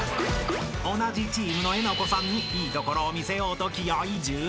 ［同じチームのえなこさんにいいところを見せようと］